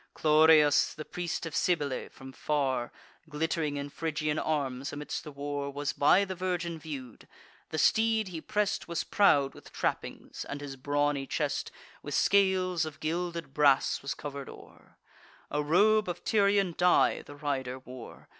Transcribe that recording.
Chloreus, the priest of Cybele, from far, Glitt'ring in Phrygian arms amidst the war, Was by the virgin view'd. The steed he press'd Was proud with trappings, and his brawny chest With scales of gilded brass was cover'd o'er; A robe of Tyrian dye the rider wore.